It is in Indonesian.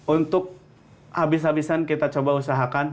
untuk habis habisan kita coba usahakan